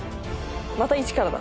「また一からだ」